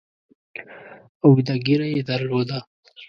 اوږده ږیره یې درلوده.